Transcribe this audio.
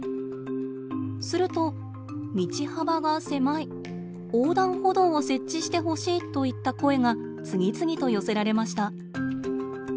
すると「道幅が狭い」「横断歩道を設置してほしい」といった声が次々と寄せられました。